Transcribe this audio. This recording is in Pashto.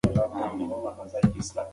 هندي سبک د پښتو په کلاسیک شاعري کې عام دی.